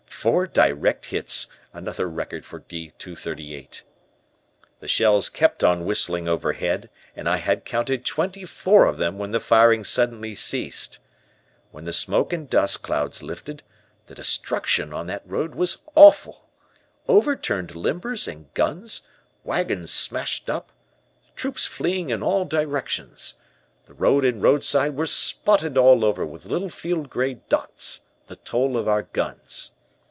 Four direct hits another record for D 238. "The shells kept on whistling overhead, and I had counted twenty four of them when the firing suddenly ceased. When the smoke and dust clouds lifted, the destruction on that road was awful. Overturned limbers and guns, wagons smashed up, troops fleeing in all directions. The road and roadside were spotted all over with little field gray dots, the toll of our guns.